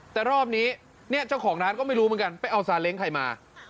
แต่รอบนี้เนี่ยเจ้าของร้านก็ไม่รู้เหมือนกันไปเอาซาเล้งใครมา